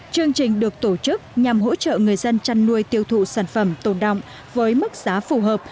chương trình được tổ chức nhằm hỗ trợ người dân chăn nuôi tiêu thụ sản phẩm tồn động với mức giá phù hợp